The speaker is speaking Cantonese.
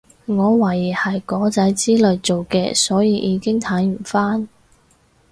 我懷疑係果籽之類做嘅所以已經睇唔返